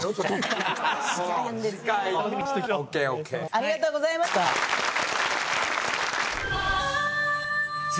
ありがとうございます。